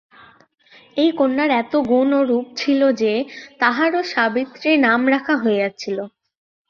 এই কন্যার এত গুণ ও রূপ ছিল যে, তাঁহারও সাবিত্রী নাম রাখা হইয়াছিল।